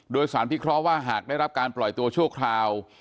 โดยสารพิเคราะห์ว่าหากได้รับการปล่อยตัวชั่วคราว